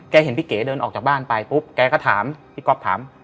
เห็นพี่เก๋เดินออกจากบ้านไปปุ๊บแกก็ถามพี่ก๊อฟถาม